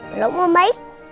belum om baik